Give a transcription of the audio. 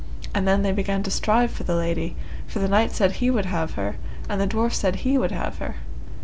And then they began to strive for the lady; for the knight said he would have her, and the dwarf said he would have her.